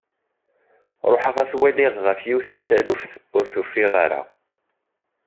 Ruḥeɣ ad t-waliɣ ɣef yiwet n taluft, ur t-ufiɣ ara.